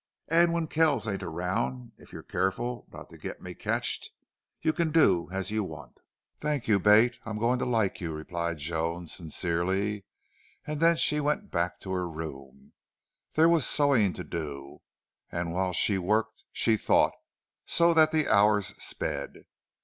An' when Kells ain't around, if you're careful not to get me ketched, you can do as you want." "Thank you, Bate. I'm going to like you," replied Joan, sincerely, and then she went back to her room. There was sewing to do, and while she worked she thought, so that the hours sped.